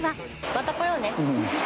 また来ようね。